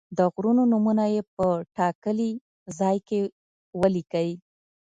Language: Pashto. د غرونو نومونه یې په ټاکلي ځای کې ولیکئ.